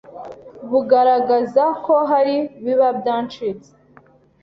bugaragaza ko hari biba byacitse